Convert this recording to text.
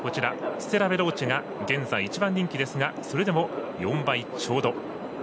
ステラヴェローチェが現在１番人気ですがそれでも４倍ちょうど。